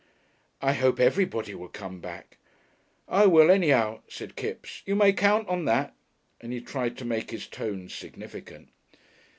"I hope everybody will come back." "I will anyhow," said Kipps. "You may count on that," and he tried to make his tones significant.